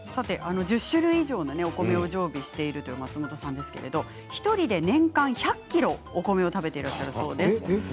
１０種類以上のお米を常備しているという松本さんですけれど１人で年間１００ｋｇお米を食べていらっしゃるそうです。